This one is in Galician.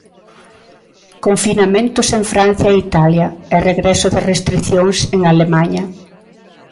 Confinamentos en Francia e Italia e regreso de restricións en Alemaña.